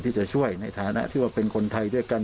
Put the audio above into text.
ที่จะช่วยในฐานะที่ว่าเป็นคนไทยด้วยกัน